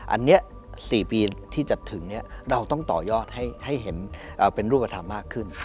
อันนี้๔ปีที่จะถึงเราต้องต่อยอดให้เห็นเป็นรูปธรรมมากขึ้น